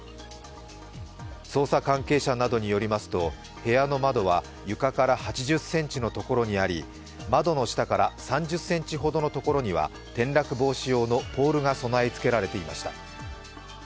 捜査関係者などによりますと、部屋の窓は床から８０ｃｍのところにあり窓の下から３０ｃｍほどのところには転落防止用のポールが備え付けられていまし。